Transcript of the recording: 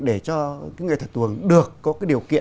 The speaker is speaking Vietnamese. để cho cái nghệ thuật tuồng được có cái điều kiện